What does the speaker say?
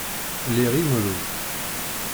Liɣ imru.